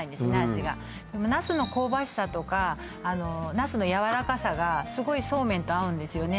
味がナスの香ばしさとかあのナスのやわらかさがすごいそうめんと合うんですよね